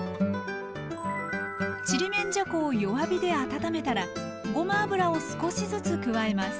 ちりめんじゃこを弱火で温めたらごま油を少しずつ加えます。